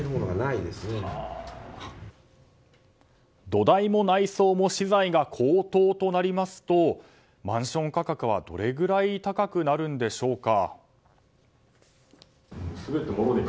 土台も内装も資材が高騰となりますとマンション価格はどれくらい高くなるのでしょうか。